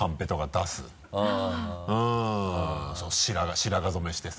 白髪染めしてさ。